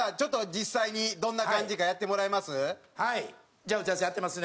じゃあ打ち合わせやってますね